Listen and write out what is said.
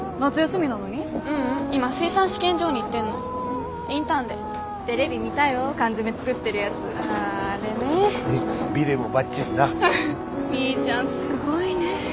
みーちゃんすごいね。